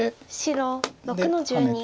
白６の十二。